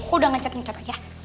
kok udah ngecat ngecat aja